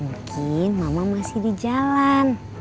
mungkin mama masih di jalan